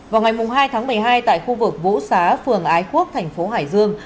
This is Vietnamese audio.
vào ngày hai tháng một mươi hai tại khu vực vũ xá phường ái quốc thành phố hải dương